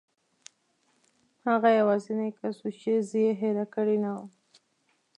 هغه یوازینی کس و چې زه یې هېره کړې نه وم.